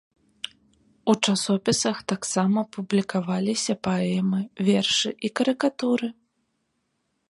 У часопісах таксама публікаваліся паэмы, вершы і карыкатуры.